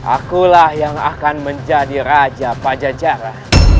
akulah yang akan menjadi raja pajajaran